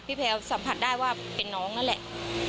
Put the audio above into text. แพลวสัมผัสได้ว่าเป็นน้องนั่นแหละ